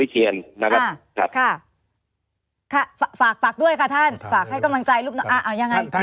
ฝากให้กำลังใจลูกน้องอ่าอย่างไร